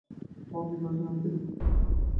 তাও আপনি করেছেন, আমি কৃতজ্ঞ।